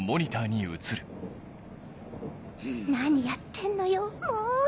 何やってんのよもう！